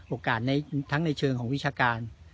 ทั้งในเชิงของวิชาการ